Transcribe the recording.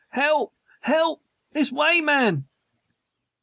Help! HELP! This way, man!"